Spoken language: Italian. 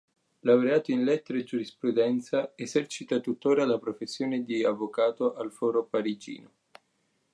Laureato in Lettere e Giurisprudenza esercita tuttora la professione di avvocato al foro parigino.